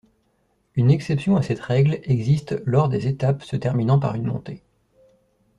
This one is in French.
Une exception à cette règle existe lors des étapes se terminant par une montée.